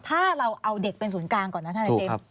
ถ้าเราเอาเด็กเป็นศูนย์กลางก่อนนะทนายเจมส์